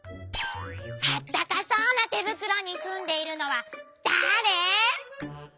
あったかそうなてぶくろにすんでいるのはだれ？」。